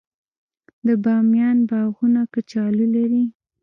د بامیان باغونه کچالو لري.